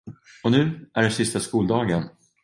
Och nu är det sista skoldagen.